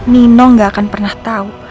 nino gak akan pernah tahu